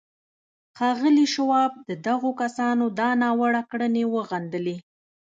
ښاغلي شواب د دغو کسانو دا ناوړه کړنې وغندلې.